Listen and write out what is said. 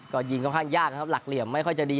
ก็ยิงค่อนข้างยากนะครับหลักเหลี่ยมไม่ค่อยจะดี